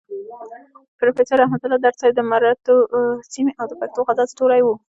پروفيسور رحمت الله درد صيب د مروتو سيمې او د پښتو غزل ستوری وو.